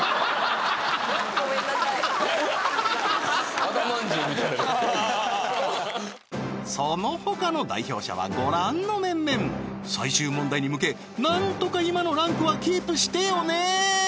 和田まんじゅうみたいなそのほかの代表者はご覧の面々最終問題に向けなんとか今のランクはキープしてよね